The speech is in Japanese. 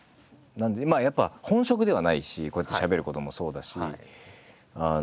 やっぱ本職ではないしこうやってしゃべることもそうだし。